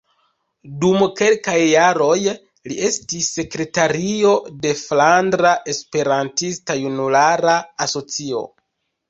Dum kelkaj jaroj li estis sekretario de Flandra Esperantista Junulara Asocio.